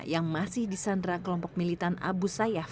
yang masih disandra kelompok militan abu sayyaf